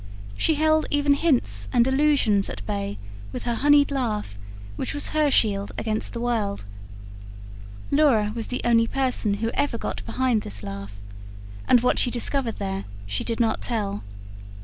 She held even hints and allusions at bay, with her honeyed laugh; which was HER shield against the world. Laura was the only person who ever got behind this laugh, and what she discovered there, she did not tell.